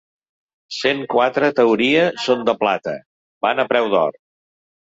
Cent quatre teoria són de plata, van a preu d'or.